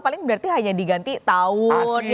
paling berarti hanya diganti tahun